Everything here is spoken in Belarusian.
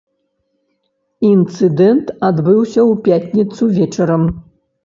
Інцыдэнт адбыўся ў пятніцу вечарам.